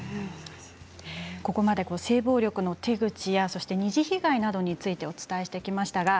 ここまで性暴力の手口や二次被害になどについてお伝えしてきました。